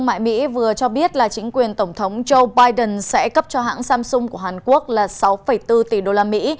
mỹ vừa cho biết là chính quyền tổng thống joe biden sẽ cấp cho hãng samsung của hàn quốc là sáu bốn tỷ đô la mỹ